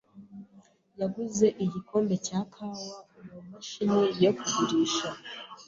yaguze igikombe cya kawa mumashini yo kugurisha.